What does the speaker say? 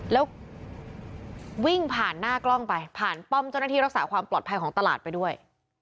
แล้ววิ่งผ่านหน้ากล้องไปผ่านป้อมเจ้าหน้าที่รักษาความปลอดภัยของตลาดไปด้วย